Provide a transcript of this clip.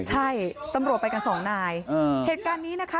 ใช่ตำรวจไปกันสองนายเหตุการณ์นี้นะคะ